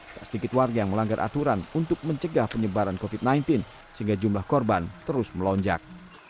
tak sedikit warga yang melanggar aturan untuk mencegah penyebaran covid sembilan belas sehingga jumlah korban terus melonjak